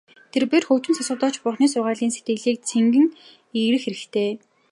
Тэрбээр хөгжим сонсохдоо ч Бурханы сургаалаас сэтгэлийн цэнгэл эрэх хэрэгтэй.